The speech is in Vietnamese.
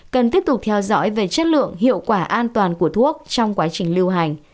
cần tiếp tục theo dõi về chất lượng hiệu quả an toàn của thuốc trong quá trình lưu hành